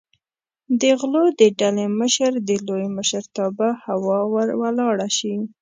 د غلو د ډلې مشر د لوی مشرتابه هوا ور ولاړه شي.